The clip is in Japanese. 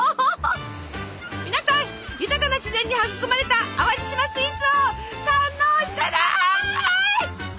皆さん豊かな自然に育まれた淡路島スイーツを堪能してね！